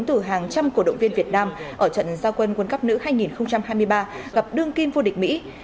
từ hàng trăm cổ động viên việt nam ở trận gia quân quân cấp nữ hai nghìn hai mươi ba gặp đương kim vô địch mỹ